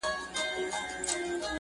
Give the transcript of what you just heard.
لا اوس هم نه يې تر ځايه رسېدلى -